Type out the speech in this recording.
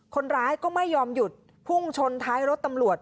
คนร้ายก็ไม่ยอมหยุดพุ่งชนท้ายรถตำรวจ